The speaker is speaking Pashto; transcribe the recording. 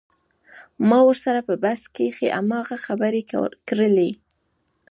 ما ورسره په بحث کښې هماغه خبرې کړلې.